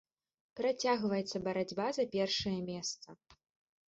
Працягваецца барацьба за першае месца.